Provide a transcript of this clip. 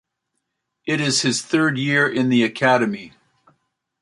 It is his third year in the academy.